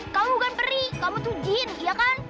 kamu bukan peri kamu tuh jin iya kan